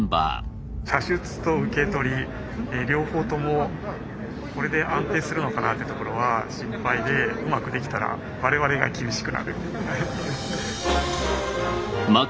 射出と受け取り両方ともこれで安定するのかなってところは心配でうまくできたら我々が厳しくなる。